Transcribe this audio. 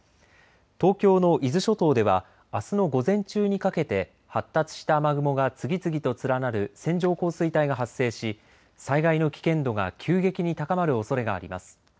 東京の伊豆諸島ではあすの午前中にかけて発達した雨雲が次々と連なる線状降水帯が発生し災害の危険度が急激に高まるおそれがあります。